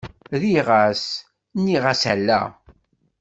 Rriɣ-as,-nniɣ-as ala.